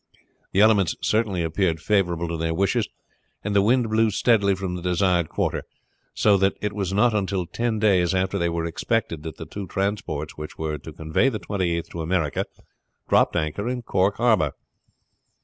The elements certainly appeared favorable to their wishes, and the wind blew steadily from the desired quarter, so that it was not until ten days after they were expected that the two transports which were to convey the Twenty eighth to America dropped anchor in Cork harbor.